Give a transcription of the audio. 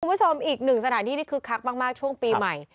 คุณผู้ชมอีกหนึ่งสถานที่ที่คึกคักมากช่วงปีใหม่